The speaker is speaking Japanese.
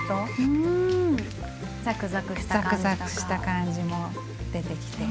ザクザクした感じも出てきて。